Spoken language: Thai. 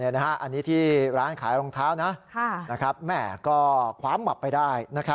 อันนี้ที่ร้านขายรองเท้าแม่ก็คว้าหมับไปได้